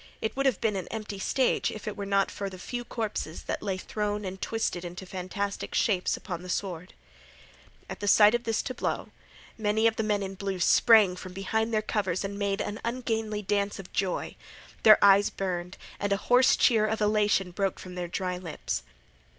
It would have been an empty stage if it were not for a few corpses that lay thrown and twisted into fantastic shapes upon the sward. At sight of this tableau, many of the men in blue sprang from behind their covers and made an ungainly dance of joy. Their eyes burned and a hoarse cheer of elation broke from their dry lips.